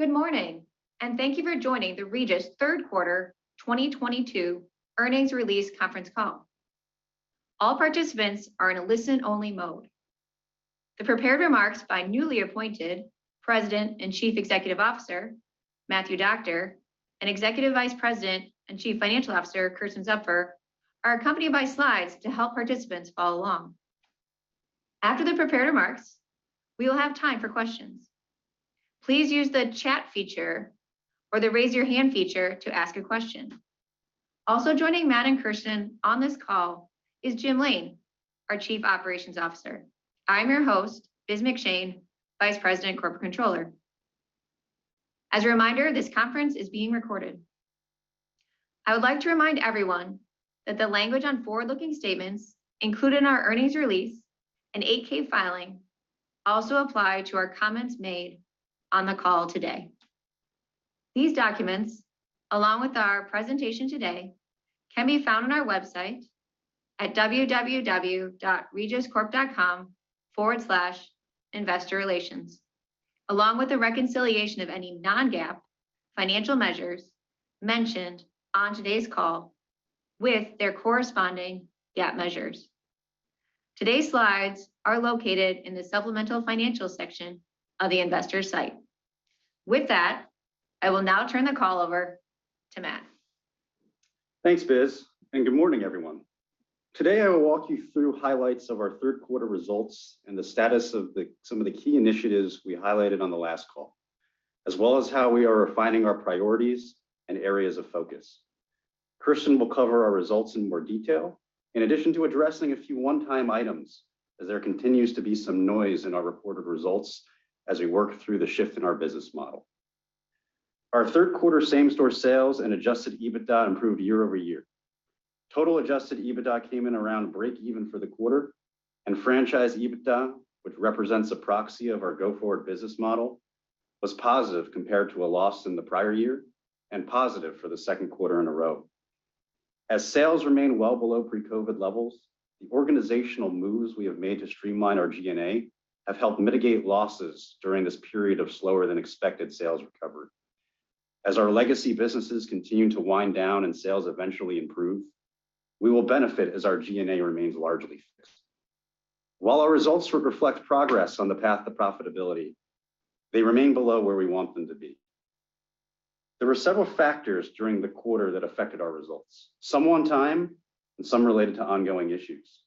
Good morning, and thank you for joining the Regis third quarter 2022 earnings release conference call. All participants are in a listen only mode. The prepared remarks by newly appointed President and Chief Executive Officer, Matthew Doctor, and Executive Vice President and Chief Financial Officer, Kersten Zupfer, are accompanied by slides to help participants follow along. After the prepared remarks, we will have time for questions. Please use the chat feature or the raise your hand feature to ask a question. Also joining Matt and Kersten on this call is Jim Lain, our Chief Operations Officer. I'm your host, Biz McShane, Vice President Corporate Controller. As a reminder, this conference is being recorded. I would like to remind everyone that the language on forward-looking statements included in our earnings release and 8-K filing also apply to our comments made on the call today. These documents, along with our presentation today, can be found on our website at www.regiscorp.com/investorrelations. Along with a reconciliation of any non-GAAP financial measures mentioned on today's call with their corresponding GAAP measures. Today's slides are located in the supplemental financial section of the investor site. With that, I will now turn the call over to Matt. Thanks, Biz, and good morning, everyone. Today, I will walk you through highlights of our third quarter results and the status of some of the key initiatives we highlighted on the last call, as well as how we are refining our priorities and areas of focus. Kersten will cover our results in more detail in addition to addressing a few one-time items as there continues to be some noise in our reported results as we work through the shift in our business model. Our third quarter same-store sales and adjusted EBITDA improved year-over-year. Total adjusted EBITDA came in around breakeven for the quarter, and franchise EBITDA, which represents a proxy of our go-forward business model, was positive compared to a loss in the prior year and positive for the second quarter in a row. As sales remain well below pre-COVID levels, the organizational moves we have made to streamline our G&A have helped mitigate losses during this period of slower than expected sales recovery. As our legacy businesses continue to wind down and sales eventually improve, we will benefit as our G&A remains largely fixed. While our results reflect progress on the path to profitability, they remain below where we want them to be. There were several factors during the quarter that affected our results, some one time and some related to ongoing issues.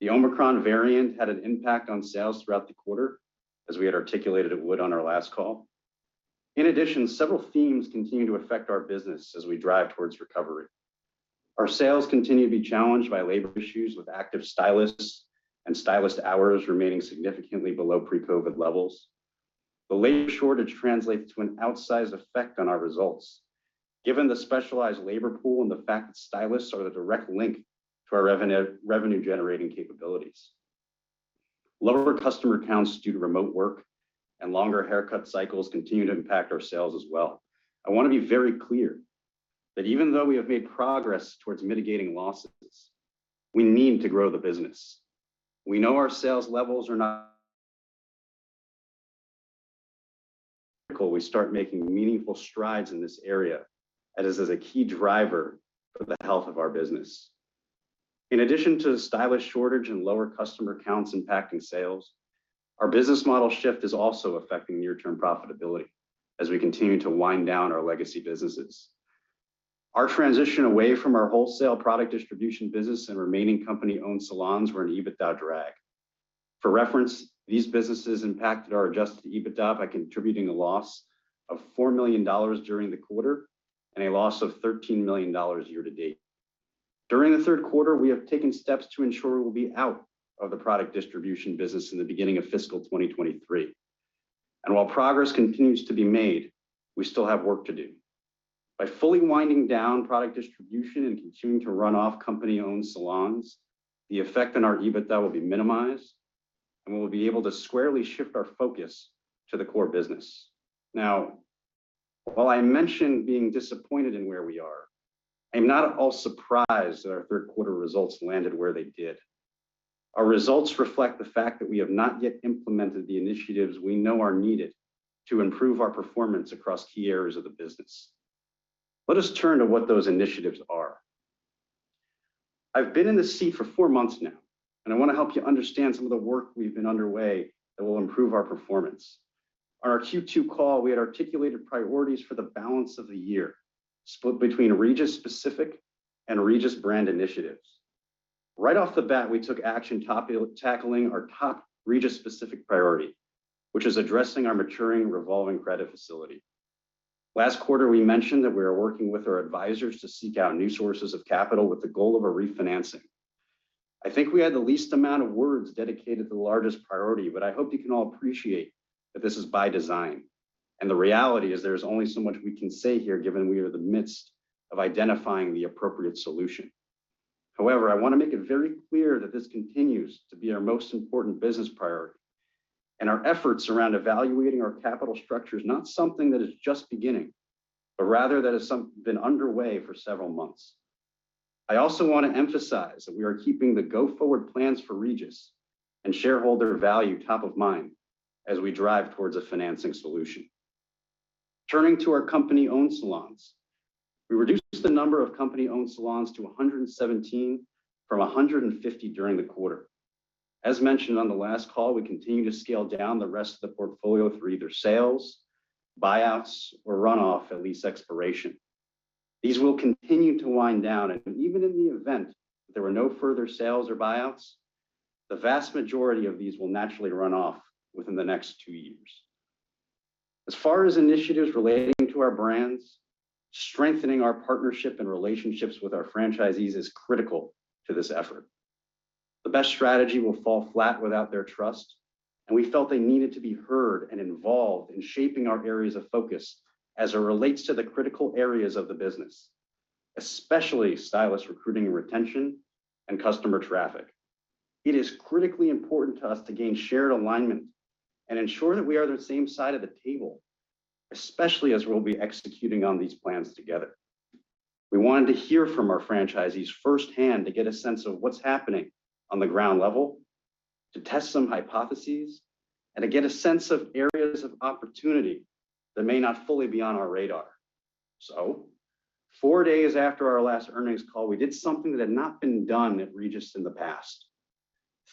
The Omicron variant had an impact on sales throughout the quarter as we had articulated it would on our last call. In addition, several themes continue to affect our business as we drive towards recovery. Our sales continue to be challenged by labor issues with active stylists and stylist hours remaining significantly below pre-COVID levels. The labor shortage translates to an outsized effect on our results given the specialized labor pool and the fact that stylists are the direct link to our revenue-generating capabilities. Lower customer counts due to remote work and longer haircut cycles continue to impact our sales as well. I want to be very clear that even though we have made progress towards mitigating losses, we need to grow the business. We start making meaningful strides in this area as it is a key driver of the health of our business. In addition to the stylist shortage and lower customer counts impacting sales, our business model shift is also affecting near-term profitability as we continue to wind down our legacy businesses. Our transition away from our wholesale product distribution business and remaining company-owned salons were an EBITDA drag. For reference, these businesses impacted our adjusted EBITDA by contributing a loss of $4 million during the quarter and a loss of $13 million year to date. During the third quarter, we have taken steps to ensure we'll be out of the product distribution business in the beginning of fiscal 2023. While progress continues to be made, we still have work to do. By fully winding down product distribution and continuing to run off company owned salons, the effect on our EBITDA will be minimized, and we will be able to squarely shift our focus to the core business. Now, while I mentioned being disappointed in where we are, I'm not at all surprised that our third quarter results landed where they did. Our results reflect the fact that we have not yet implemented the initiatives we know are needed to improve our performance across key areas of the business. Let us turn to what those initiatives are. I've been in this seat for four months now, and I wanna help you understand some of the work we've been underway that will improve our performance. On our Q2 call, we had articulated priorities for the balance of the year, split between Regis-specific and Regis brand initiatives. Right off the bat, we took action tackling our top Regis-specific priority, which is addressing our maturing revolving credit facility. Last quarter, we mentioned that we are working with our advisors to seek out new sources of capital with the goal of a refinancing. I think we had the least amount of words dedicated to the largest priority, but I hope you can all appreciate that this is by design. The reality is there's only so much we can say here given we are in the midst of identifying the appropriate solution. However, I want to make it very clear that this continues to be our most important business priority, and our efforts around evaluating our capital structure is not something that is just beginning, but rather that it's some been underway for several months. I also wanna emphasize that we are keeping the go forward plans for Regis and shareholder value top of mind as we drive towards a financing solution. Turning to our company-owned salons, we reduced the number of company-owned salons to 117 from 150 during the quarter. As mentioned on the last call, we continue to scale down the rest of the portfolio through either sales, buyouts, or runoff at lease expiration. These will continue to wind down, and even in the event that there were no further sales or buyouts, the vast majority of these will naturally run off within the next two years. As far as initiatives relating to our brands, strengthening our partnership and relationships with our franchisees is critical to this effort. The best strategy will fall flat without their trust, and we felt they needed to be heard and involved in shaping our areas of focus as it relates to the critical areas of the business, especially stylist recruiting and retention and customer traffic. It is critically important to us to gain shared alignment and ensure that we are on the same side of the table, especially as we'll be executing on these plans together. We wanted to hear from our franchisees firsthand to get a sense of what's happening on the ground level, to test some hypotheses, and to get a sense of areas of opportunity that may not fully be on our radar. Four days after our last earnings call, we did something that had not been done at Regis in the past.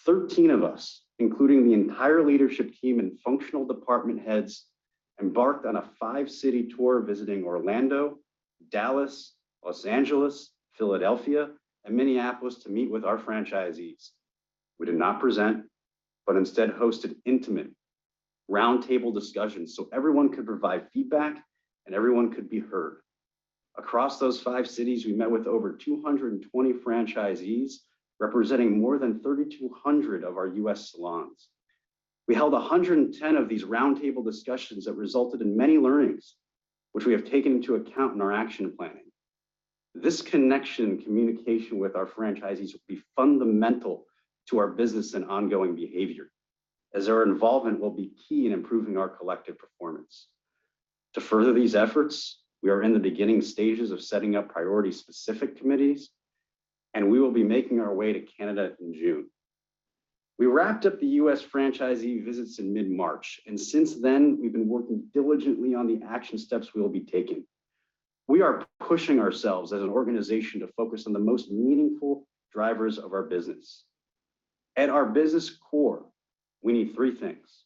13 of us, including the entire leadership team and functional department heads, embarked on a five-city tour, visiting Orlando, Dallas, Los Angeles, Philadelphia, and Minneapolis to meet with our franchisees. We did not present, but instead hosted intimate roundtable discussions so everyone could provide feedback and everyone could be heard. Across those five cities, we met with over 220 franchisees, representing more than 3,200 of our U.S. salons. We held 110 of these roundtable discussions that resulted in many learnings, which we have taken into account in our action planning. This connection and communication with our franchisees will be fundamental to our business and ongoing behavior, as their involvement will be key in improving our collective performance. To further these efforts, we are in the beginning stages of setting up priority-specific committees, and we will be making our way to Canada in June. We wrapped up the U.S. franchisee visits in mid-March, and since then, we've been working diligently on the action steps we will be taking. We are pushing ourselves as an organization to focus on the most meaningful drivers of our business. At our business core, we need three things;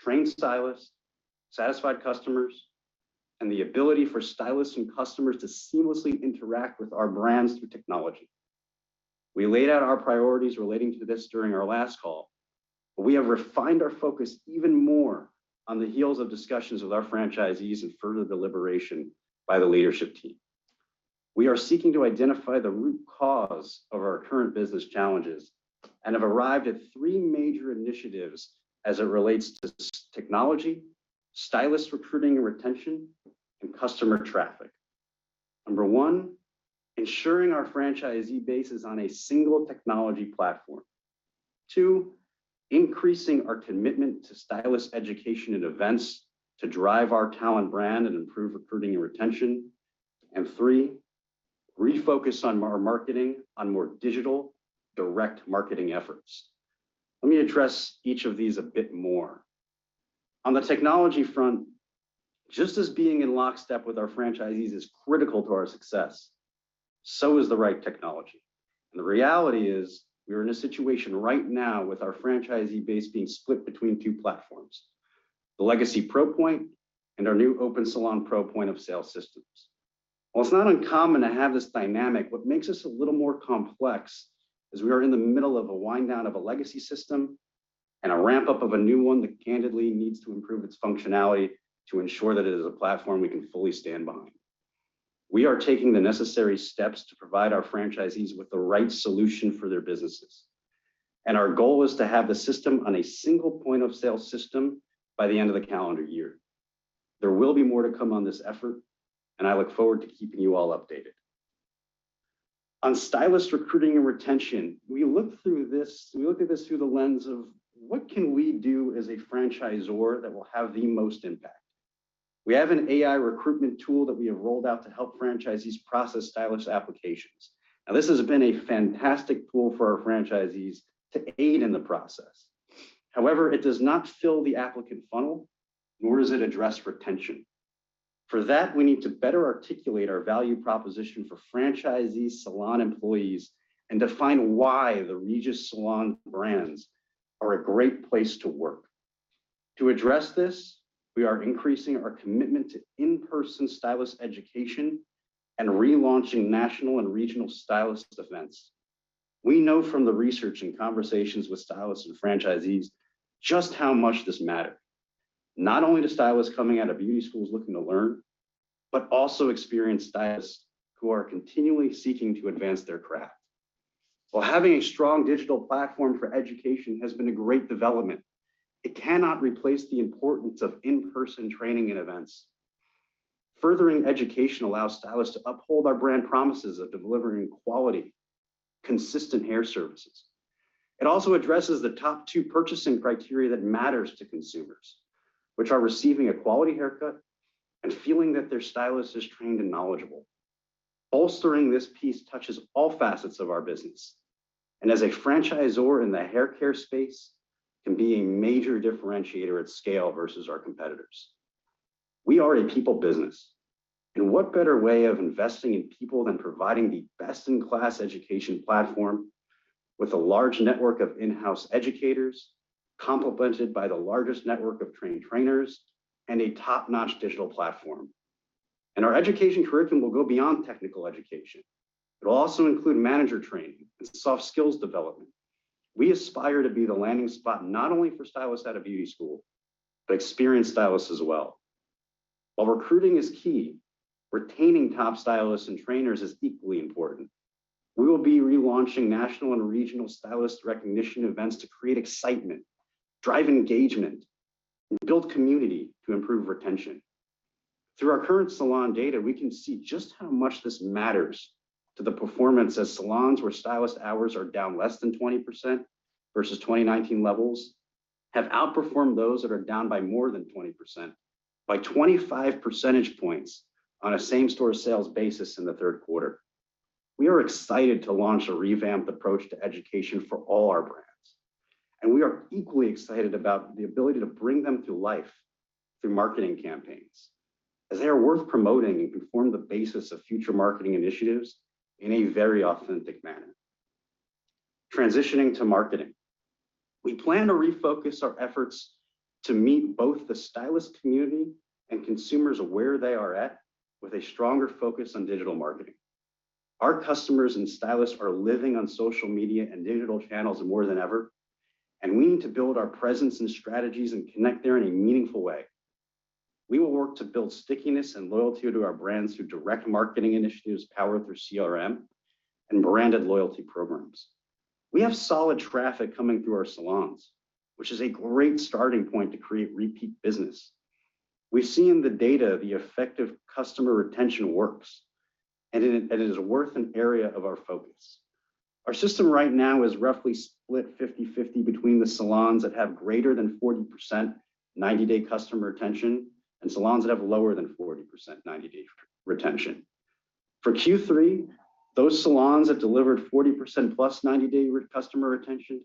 trained stylists, satisfied customers, and the ability for stylists and customers to seamlessly interact with our brands through technology. We laid out our priorities relating to this during our last call, but we have refined our focus even more on the heels of discussions with our franchisees and further deliberation by the leadership team. We are seeking to identify the root cause of our current business challenges and have arrived at three major initiatives as it relates to technology, stylist recruiting and retention, and customer traffic. Number 1, ensuring our franchisee base is on a single technology platform. 2, increasing our commitment to stylist education and events to drive our talent brand and improve recruiting and retention. 3, refocus on marketing on more digital direct marketing efforts. Let me address each of these a bit more. On the technology front, just as being in lockstep with our franchisees is critical to our success, so is the right technology. The reality is we are in a situation right now with our franchisee base being split between two platforms, the legacy ProPoint and our new OpenSalon Pro point of sale systems. While it's not uncommon to have this dynamic, what makes this a little more complex is we are in the middle of a wind down of a legacy system and a ramp up of a new one that candidly needs to improve its functionality to ensure that it is a platform we can fully stand behind. We are taking the necessary steps to provide our franchisees with the right solution for their businesses, and our goal is to have the system on a single point of sale system by the end of the calendar year. There will be more to come on this effort, and I look forward to keeping you all updated. On stylist recruiting and retention, we look at this through the lens of what can we do as a franchisor that will have the most impact. We have an AI recruitment tool that we have rolled out to help franchisees process stylist applications. Now, this has been a fantastic tool for our franchisees to aid in the process. However, it does not fill the applicant funnel, nor does it address retention. For that, we need to better articulate our value proposition for franchisees, salon employees, and define why the Regis Salon brands are a great place to work. To address this, we are increasing our commitment to in-person stylist education and relaunching national and regional stylist events. We know from the research and conversations with stylists and franchisees just how much this matters, not only to stylists coming out of beauty schools looking to learn, but also experienced stylists who are continually seeking to advance their craft. While having a strong digital platform for education has been a great development, it cannot replace the importance of in-person training and events. Furthering education allows stylists to uphold our brand promises of delivering quality, consistent hair services. It also addresses the top two purchasing criteria that matter to consumers, which are receiving a quality haircut and feeling that their stylist is trained and knowledgeable. Bolstering this piece touches all facets of our business, and as a franchisor in the haircare space, can be a major differentiator at scale versus our competitors. We are a people business, and what better way of investing in people than providing the best-in-class education platform with a large network of in-house educators, complemented by the largest network of trained trainers and a top-notch digital platform. Our education curriculum will go beyond technical education. It'll also include manager training and soft skills development. We aspire to be the landing spot not only for stylists out of beauty school, but experienced stylists as well. While recruiting is key, retaining top stylists and trainers is equally important. We will be relaunching national and regional stylist recognition events to create excitement, drive engagement, and build community to improve retention. Through our current salon data, we can see just how much this matters to the performance as salons where stylist hours are down less than 20% versus 2019 levels have outperformed those that are down by more than 20% by 25 percentage points on a same-store sales basis in the third quarter. We are excited to launch a revamped approach to education for all our brands, and we are equally excited about the ability to bring them to life through marketing campaigns, as they are worth promoting and can form the basis of future marketing initiatives in a very authentic manner. Transitioning to marketing. We plan to refocus our efforts to meet both the stylist community and consumers where they are at with a stronger focus on digital marketing. Our customers and stylists are living on social media and digital channels more than ever, and we need to build our presence and strategies and connect there in a meaningful way. We will work to build stickiness and loyalty to our brands through direct marketing initiatives powered through CRM and branded loyalty programs. We have solid traffic coming through our salons, which is a great starting point to create repeat business. We've seen the data, the effect of customer retention works, and it is worth an area of our focus. Our system right now is roughly split 50/50 between the salons that have greater than 40% ninety-day customer retention and salons that have lower than 40% ninety-day retention. For Q3, those salons have delivered 40%+ ninety-day customer retention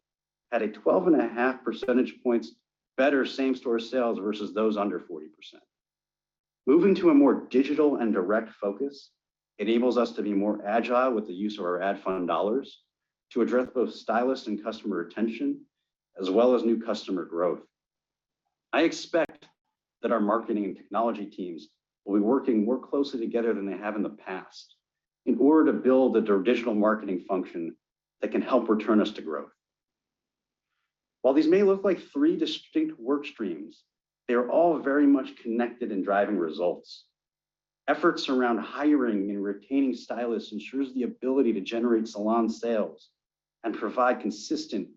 at a 12.5 percentage points better same-store sales versus those under 40%. Moving to a more digital and direct focus enables us to be more agile with the use of our ad fund dollars to address both stylists and customer retention, as well as new customer growth. I expect that our marketing and technology teams will be working more closely together than they have in the past in order to build a digital marketing function that can help return us to growth. While these may look like three distinct work streams, they are all very much connected in driving results. Efforts around hiring and retaining stylists ensures the ability to generate salon sales and provide consistent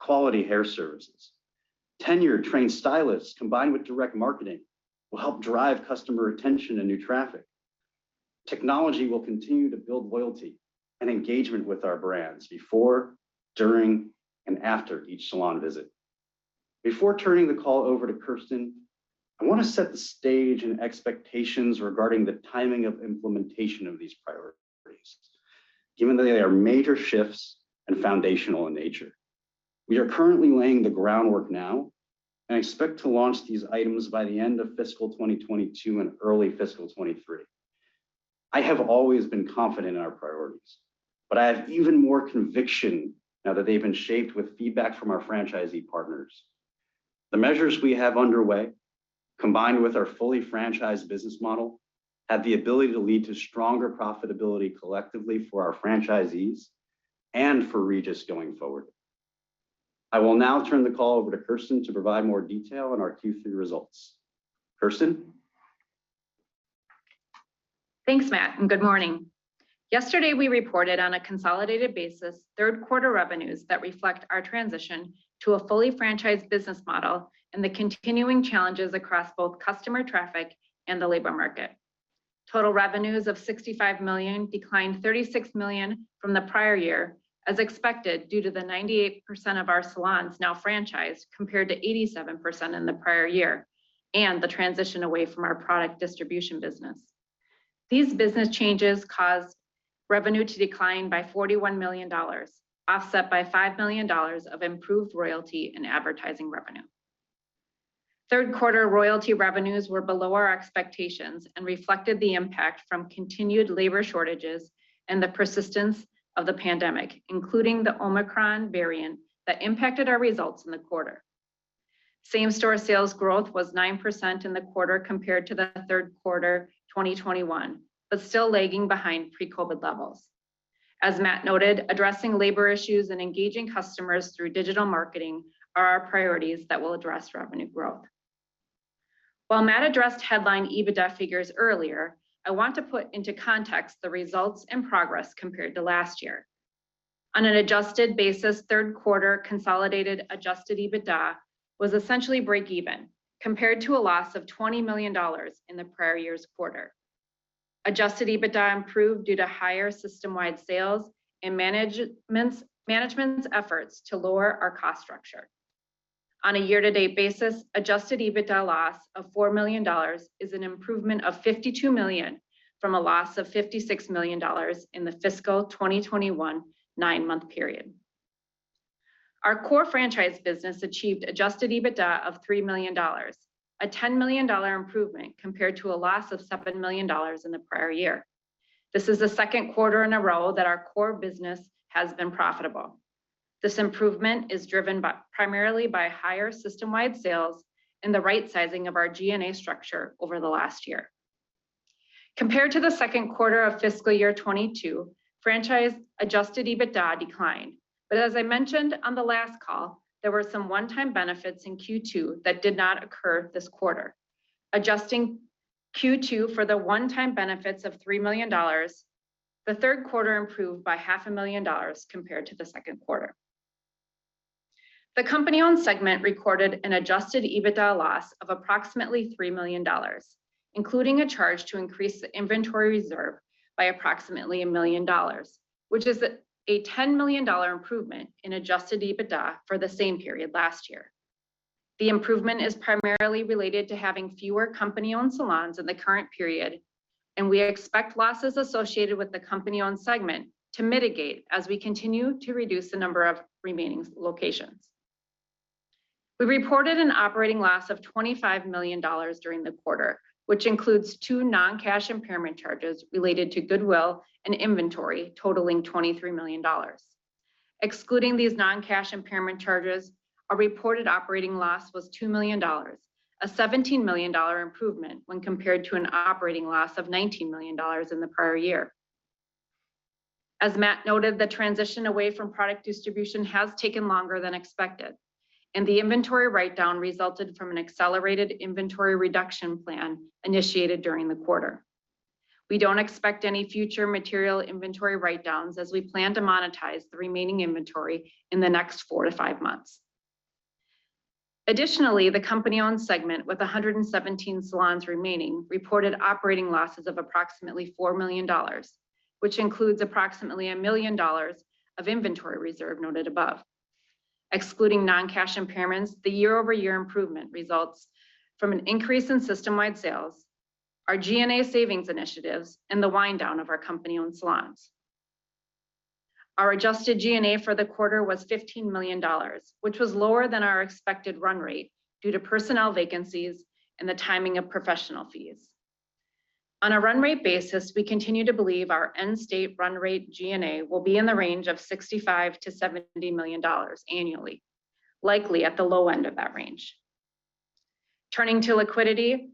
quality hair services. Tenured trained stylists, combined with direct marketing, will help drive customer retention and new traffic. Technology will continue to build loyalty and engagement with our brands before, during, and after each salon visit. Before turning the call over to Kersten, I want to set the stage and expectations regarding the timing of implementation of these priorities, given that they are major shifts and foundational in nature. We are currently laying the groundwork now and expect to launch these items by the end of fiscal 2022 and early fiscal 2023. I have always been confident in our priorities, but I have even more conviction now that they've been shaped with feedback from our franchisee partners. The measures we have underway, combined with our fully franchised business model, have the ability to lead to stronger profitability collectively for our franchisees and for Regis going forward. I will now turn the call over to Kersten to provide more detail on our Q3 results. Kersten? Thanks, Matthew, and good morning. Yesterday, we reported on a consolidated basis third quarter revenues that reflect our transition to a fully franchised business model and the continuing challenges across both customer traffic and the labor market. Total revenues of $65 million declined $36 million from the prior year, as expected, due to the 98% of our salons now franchised compared to 87% in the prior year and the transition away from our product distribution business. These business changes caused revenue to decline by $41 million, offset by $5 million of improved royalty and advertising revenue. Third quarter royalty revenues were below our expectations and reflected the impact from continued labor shortages and the persistence of the pandemic, including the Omicron variant that impacted our results in the quarter. Same-store sales growth was 9% in the quarter compared to the third quarter 2021, but still lagging behind pre-COVID levels. As Matt noted, addressing labor issues and engaging customers through digital marketing are our priorities that will address revenue growth. While Matt addressed headline EBITDA figures earlier, I want to put into context the results and progress compared to last year. On an adjusted basis, third quarter consolidated adjusted EBITDA was essentially break even, compared to a loss of $20 million in the prior year's quarter. Adjusted EBITDA improved due to higher system-wide sales and management's efforts to lower our cost structure. On a year-to-date basis, adjusted EBITDA loss of $4 million is an improvement of $52 million from a loss of $56 million in the fiscal 2021 nine-month period. Our core franchise business achieved adjusted EBITDA of $3 million, a $10 million improvement compared to a loss of $7 million in the prior year. This is the second quarter in a row that our core business has been profitable. This improvement is driven by, primarily by higher system-wide sales and the right sizing of our G&A structure over the last year. Compared to the second quarter of fiscal year 2022, franchise adjusted EBITDA declined. As I mentioned on the last call, there were some one-time benefits in Q2 that did not occur this quarter. Adjusting Q2 for the one-time benefits of $3 million, the third quarter improved by half a million dollars compared to the second quarter. The company-owned segment recorded an adjusted EBITDA loss of approximately $3 million, including a charge to increase the inventory reserve by approximately $1 million, which is a $10 million improvement in adjusted EBITDA for the same period last year. The improvement is primarily related to having fewer company-owned salons in the current period, and we expect losses associated with the company-owned segment to mitigate as we continue to reduce the number of remaining locations. We reported an operating loss of $25 million during the quarter, which includes two non-cash impairment charges related to goodwill and inventory totaling $23 million. Excluding these non-cash impairment charges, our reported operating loss was $2 million, a $17 million improvement when compared to an operating loss of $19 million in the prior year. As Matthew noted, the transition away from product distribution has taken longer than expected, and the inventory write-down resulted from an accelerated inventory reduction plan initiated during the quarter. We don't expect any future material inventory write-downs as we plan to monetize the remaining inventory in the next four to five months. Additionally, the company-owned segment with 117 salons remaining reported operating losses of approximately $4 million, which includes approximately $1 million of inventory reserve noted above. Excluding non-cash impairments, the year-over-year improvement results from an increase in system-wide sales, our G&A savings initiatives, and the wind down of our company-owned salons. Our adjusted G&A for the quarter was $15 million, which was lower than our expected run rate due to personnel vacancies and the timing of professional fees. On a run rate basis, we continue to believe our end-state run rate G&A will be in the range of $65-$70 million annually, likely at the low end of that range. Turning to liquidity,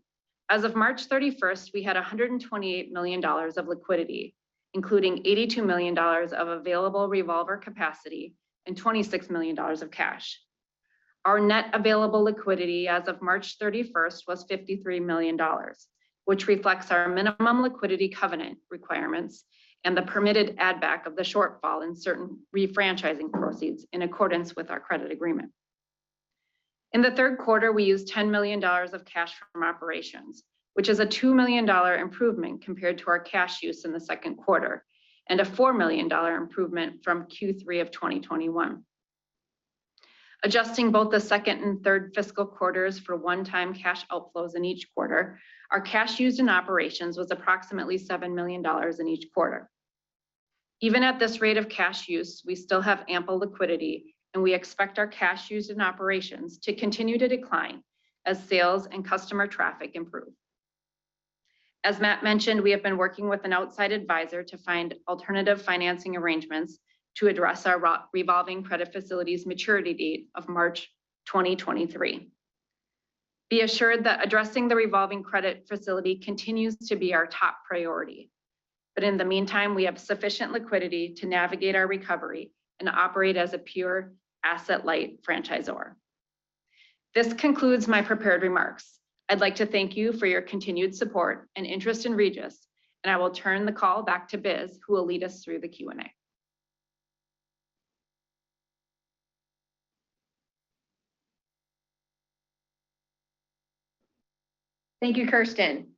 as of March thirty-first, we had $128 million of liquidity, including $82 million of available revolver capacity and $26 million of cash. Our net available liquidity as of March thirty-first was $53 million, which reflects our minimum liquidity covenant requirements and the permitted add back of the shortfall in certain refranchising proceeds in accordance with our credit agreement. In the third quarter, we used $10 million of cash from operations, which is a $2 million improvement compared to our cash use in the second quarter, and a $4 million improvement from Q3 of 2021. Adjusting both the second and third fiscal quarters for one-time cash outflows in each quarter, our cash used in operations was approximately $7 million in each quarter. Even at this rate of cash use, we still have ample liquidity, and we expect our cash used in operations to continue to decline as sales and customer traffic improve. As Matt mentioned, we have been working with an outside advisor to find alternative financing arrangements to address our revolving credit facility's maturity date of March 2023. Be assured that addressing the revolving credit facility continues to be our top priority. In the meantime, we have sufficient liquidity to navigate our recovery and operate as a pure asset-light franchisor. This concludes my prepared remarks. I'd like to thank you for your continued support and interest in Regis, and I will turn the call back to Biz, who will lead us through the Q&A. Thank you, Kersten.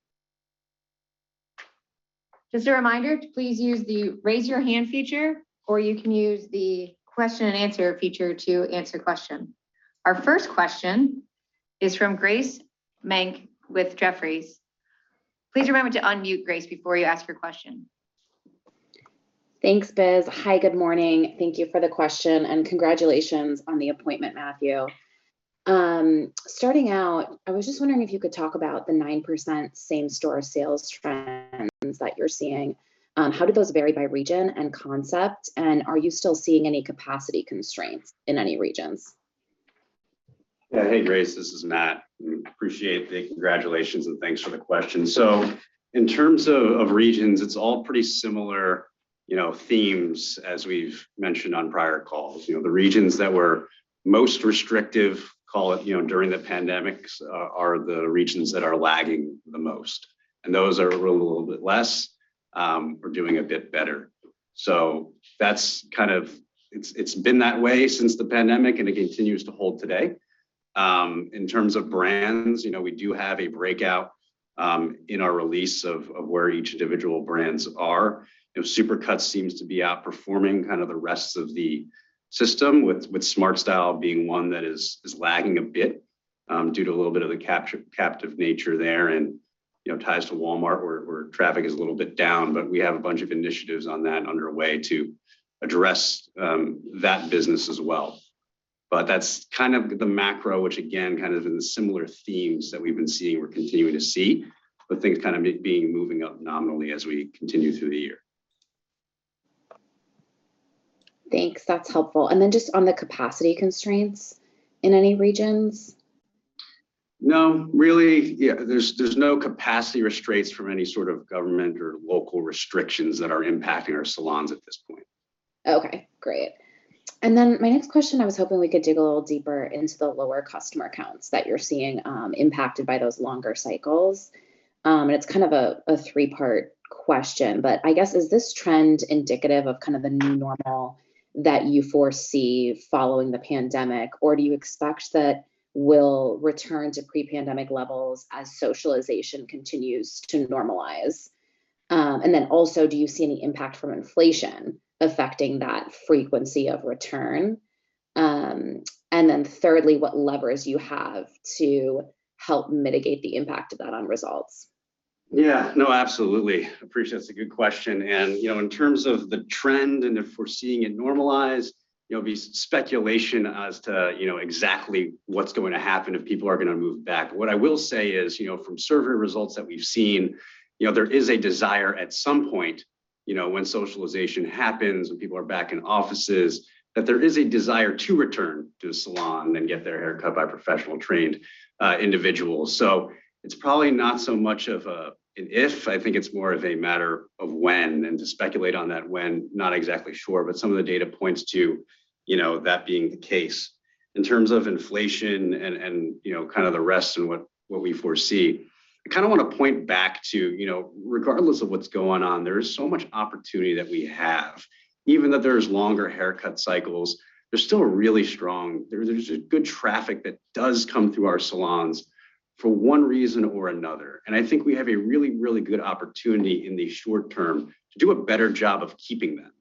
Just a reminder to please use the Raise Your Hand feature, or you can use the Question and Answer feature to ask a question. Our first question is from Grace Meck with Jefferies. Please remember to unmute, Grace, before you ask your question. Thanks, Biz. Hi, good morning. Thank you for the question and congratulations on the appointment, Matthew. Starting out, I was just wondering if you could talk about the 9% same-store sales trends that you're seeing. How do those vary by region and concept, and are you still seeing any capacity constraints in any regions? Yeah. Hey, Grace, this is Matt. Appreciate the congratulations and thanks for the question. In terms of regions, it's all pretty similar, you know, themes as we've mentioned on prior calls. You know, the regions that were most restrictive, call it, you know, during the pandemic, are the regions that are lagging the most, and those that are open a little bit less are doing a bit better. That's kind of. It's been that way since the pandemic, and it continues to hold today. In terms of brands, you know, we do have a breakout in our release of where each individual brands are. You know, Supercuts seems to be outperforming kind of the rest of the system with SmartStyle being one that is lagging a bit due to a little bit of the captive nature there and, you know, ties to Walmart where traffic is a little bit down. We have a bunch of initiatives on that underway to address that business as well. That's kind of the macro, which again, kind of in the similar themes that we've been seeing, we're continuing to see, with things kind of moving up nominally as we continue through the year. Thanks. That's helpful. Just on the capacity constraints in any regions? No, really. Yeah, there's no capacity constraints from any sort of government or local restrictions that are impacting our salons at this point. Okay, great. My next question, I was hoping we could dig a little deeper into the lower customer counts that you're seeing, impacted by those longer cycles. It's kind of a three-part question, but I guess, is this trend indicative of kind of the new normal that you foresee following the pandemic, or do you expect that we'll return to pre-pandemic levels as socialization continues to normalize? And then also, do you see any impact from inflation affecting that frequency of return? And then thirdly, what levers you have to help mitigate the impact of that on results? Yeah. No, absolutely. Appreciate it. It's a good question. You know, in terms of the trend and if we're seeing it normalize, there'll be speculation as to, you know, exactly what's going to happen if people are gonna move back. What I will say is, you know, from survey results that we've seen, you know, there is a desire at some point, you know, when socialization happens, when people are back in offices, that there is a desire to return to the salon and get their hair cut by professional trained individuals. It's probably not so much of a, an if, I think it's more of a matter of when, and to speculate on that when, not exactly sure, but some of the data points to, you know, that being the case. In terms of inflation and, you know, kind of the rest and what we foresee, I kind of wanna point back to, you know, regardless of what's going on, there is so much opportunity that we have. Even though there's longer haircut cycles, there's still a really strong traffic that does come through our salons for one reason or another. I think we have a really, really good opportunity in the short term to do a better job of keeping them.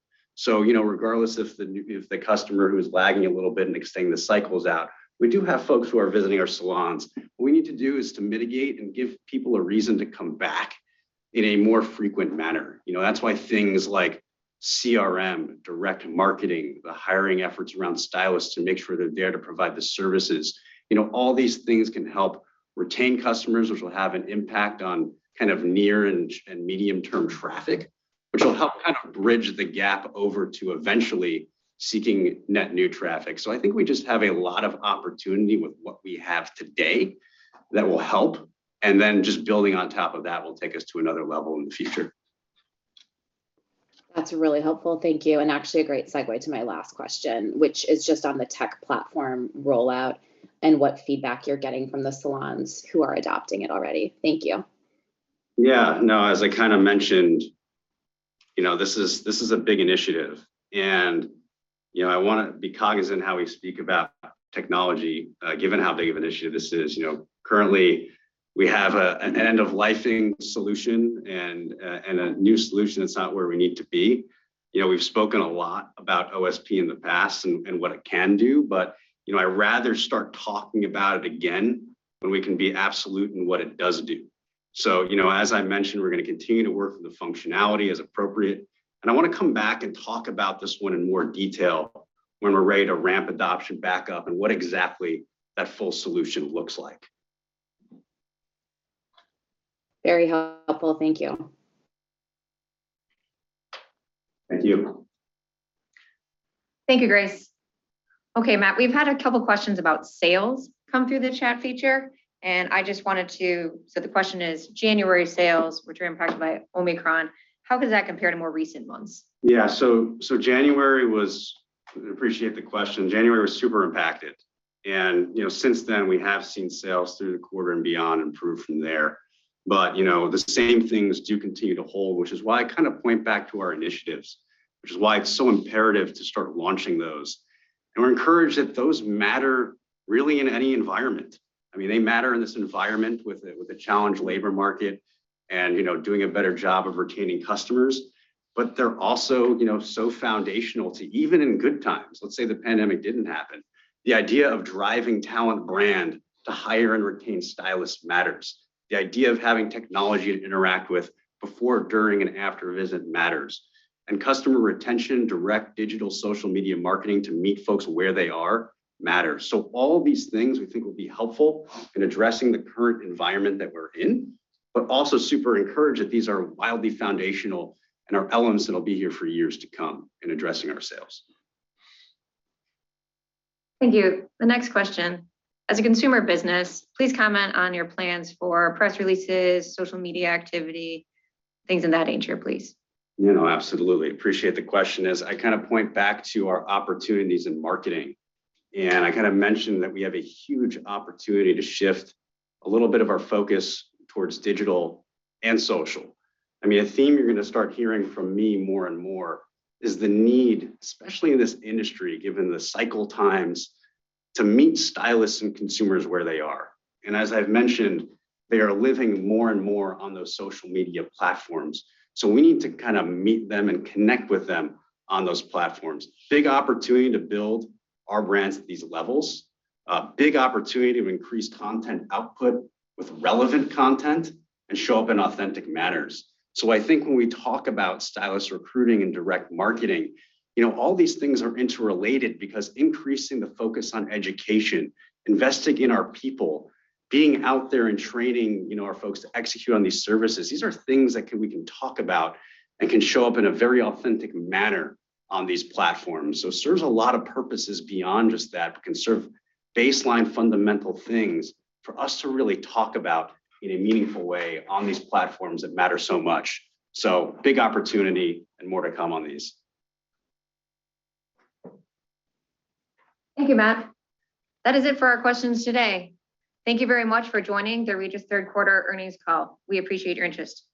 You know, regardless if the customer who's lagging a little bit and extending the cycles out, we do have folks who are visiting our salons. What we need to do is to mitigate and give people a reason to come back in a more frequent manner. You know, that's why things like CRM, direct marketing, the hiring efforts around stylists to make sure they're there to provide the services, you know, all these things can help retain customers, which will have an impact on kind of near and medium term traffic, which will help kind of bridge the gap over to eventually seeking net new traffic. I think we just have a lot of opportunity with what we have today that will help, and then just building on top of that will take us to another level in the future. That's really helpful. Thank you. Actually a great segue to my last question, which is just on the tech platform rollout and what feedback you're getting from the salons who are adopting it already. Thank you. Yeah. No, as I kinda mentioned, you know, this is a big initiative. You know, I wanna be cognizant how we speak about technology, given how big of an issue this is. You know, currently we have an end-of-life solution and a new solution that's not where we need to be. You know, we've spoken a lot about OSP in the past and what it can do, but, you know, I'd rather start talking about it again when we can be absolute in what it does do. You know, as I mentioned, we're gonna continue to work through the functionality as appropriate, and I wanna come back and talk about this one in more detail when we're ready to ramp adoption back up and what exactly that full solution looks like. Very helpful. Thank you. Thank you. Thank you, Grace. Okay, Matt, we've had a couple questions about sales come through the chat feature. The question is January sales, which were impacted by Omicron, how does that compare to more recent months? Appreciate the question. January was super impacted and, you know, since then, we have seen sales through the quarter and beyond improve from there. You know, the same things do continue to hold, which is why I kind of point back to our initiatives, which is why it's so imperative to start launching those. We're encouraged that those matter really in any environment. I mean, they matter in this environment with a challenged labor market and, you know, doing a better job of retaining customers. You know, they're also so foundational to even in good times, let's say the pandemic didn't happen, the idea of driving talent brand to hire and retain stylists matters. The idea of having technology to interact with before, during, and after a visit matters. Customer retention, direct digital social media marketing to meet folks where they are matters. All these things we think will be helpful in addressing the current environment that we're in, but also super encouraged that these are wildly foundational and are elements that'll be here for years to come in addressing our sales. Thank you. The next question. As a consumer business, please comment on your plans for press releases, social media activity, things of that nature, please. You know, absolutely. Appreciate the question. As I kind of point back to our opportunities in marketing, and I kind of mentioned that we have a huge opportunity to shift a little bit of our focus towards digital and social. I mean, a theme you're gonna start hearing from me more and more is the need, especially in this industry, given the cycle times, to meet stylists and consumers where they are. As I've mentioned, they are living more and more on those social media platforms. We need to kind of meet them and connect with them on those platforms. Big opportunity to build our brands at these levels, a big opportunity to increase content output with relevant content and show up in authentic matters. I think when we talk about stylist recruiting and direct marketing, you know, all these things are interrelated because increasing the focus on education, investing in our people, being out there and training, you know, our folks to execute on these services, these are things that we can talk about and can show up in a very authentic manner on these platforms. It serves a lot of purposes beyond just that, but can serve baseline fundamental things for us to really talk about in a meaningful way on these platforms that matter so much. Big opportunity and more to come on these. Thank you, Matt. That is it for our questions today. Thank you very much for joining the Regis third quarter earnings call. We appreciate your interest.